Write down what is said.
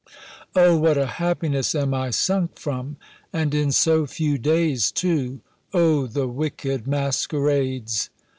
O what a happiness am I sunk from! And in so few days too! O the wicked masquerades!